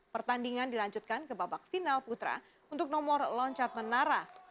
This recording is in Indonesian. pertandingan dilanjutkan ke babak final putra untuk nomor loncat menara